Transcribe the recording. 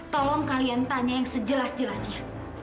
tolong kalian tanya yang sejelas jelasnya